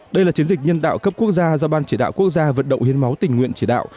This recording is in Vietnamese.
đây là chiến dịch nhân đạo cấp quốc gia do ban chỉ đạo quốc gia vận động hiến máu tình nguyện chỉ đạo